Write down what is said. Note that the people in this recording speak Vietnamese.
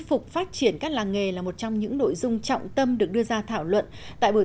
phục phát triển các làng nghề là một trong những nội dung trọng tâm được đưa ra thảo luận tại buổi